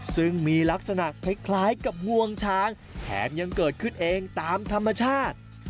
ซึ่งมีลักษณะคล้ายกับงวงช้างแถมยังเกิดขึ้นเองตามธรรมชาติ